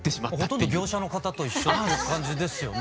ほとんど業者の方と一緒っていう感じですよね。